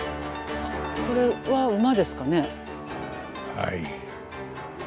はい。